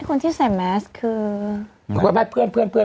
คนที่ใส่แมสคือ